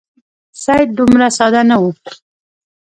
سید دومره ساده نه وو.